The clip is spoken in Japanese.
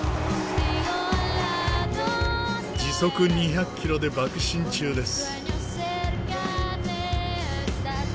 時速２００キロで驀進中です。